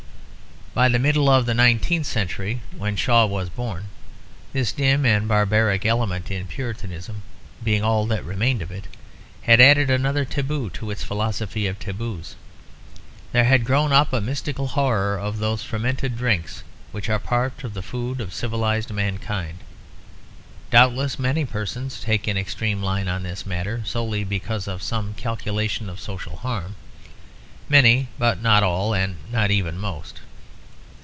By the middle of the nineteenth century when Shaw was born this dim and barbaric element in Puritanism, being all that remained of it, had added another taboo to its philosophy of taboos; there had grown up a mystical horror of those fermented drinks which are part of the food of civilised mankind. Doubtless many persons take an extreme line on this matter solely because of some calculation of social harm; many, but not all and not even most.